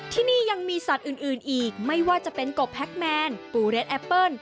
ที่นี่ยังมีสัตว์อื่นอีกไม่ว่าจะเป็นกบแฮคแมนปูเรสแอปเปิ้ล